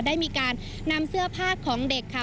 ได้มีการนำเสื้อผ้าของเด็กค่ะ